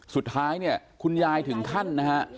สุดท้ายเนี่ยคุณยายถึงขั้นนะฮะ